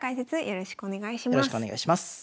よろしくお願いします。